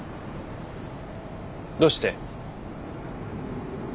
どうして？